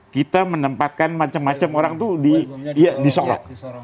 kita menempatkan macam macam orang itu di sorong